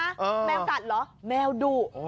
แมวกัดเหรอแมวดุ